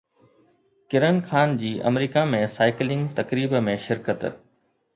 ڪرن خان جي آمريڪا ۾ سائيڪلنگ تقريب ۾ شرڪت